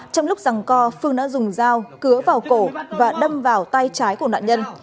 trong lúc rằng co phương đã dùng dao cứa vào cổ và đâm vào tay trái của nạn nhân